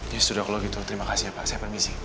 ya sudah kalo gitu terima kasih pak saya permisi